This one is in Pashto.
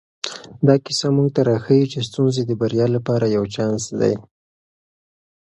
دا کیسه موږ ته راښيي چې ستونزې د بریا لپاره یو چانس دی.